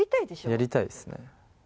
やりたいですね。